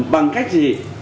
bằng cách gì